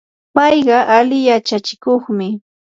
payqa ali yachachikuqmi.